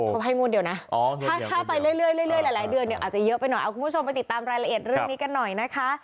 เขาให้งวดเดียวนะถ้าไปเรื่อยหลายเดือนเนี่ยอาจจะเยอะไปหน่อยเอาคุณผู้ชมไปติดตามรายละเอียดเรื่องนี้กันหน่อยนะคะ